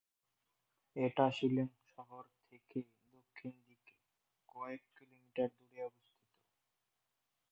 এটা শিলং শহর থেকে দক্ষিণ দিকে কয়েক কিলোমিটার দূরে অবস্থিত।